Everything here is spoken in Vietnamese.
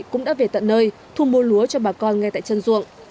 cũng đã về tận nơi thu mua lúa cho bà con ngay tại chân ruộng